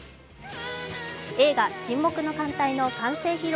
映画「沈黙の艦隊」の完成披露